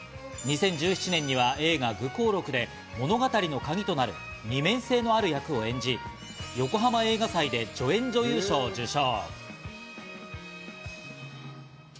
２０１７年には映画『愚行録』で物語のカギとなる二面性のある役を演じ、ヨコハマ映画祭で助演女優賞を受賞。